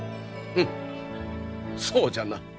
うむそうじゃな。